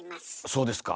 そうですか？